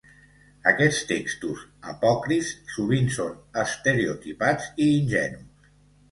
Aquests textos apòcrifs sovint són estereotipats i ingenus.